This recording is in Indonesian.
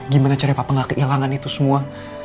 gimana caranya papa gak kehilangan itu semua